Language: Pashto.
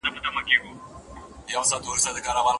بېغمه غمه! د هغې راته راوبهيدې